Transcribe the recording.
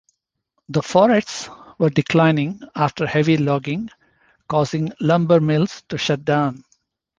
The forests were declining after heavy logging, causing lumber mills to shut down.